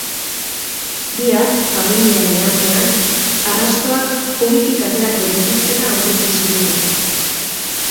Bihar, familiaren aurrean, arrastoak hobitik aterako dituztela aurreikusi dute.